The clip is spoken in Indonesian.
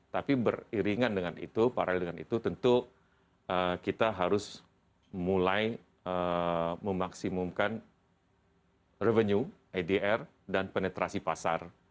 tapi beriringan dengan itu paralel dengan itu tentu kita harus mulai memaksimumkan revenue edr dan penetrasi pasar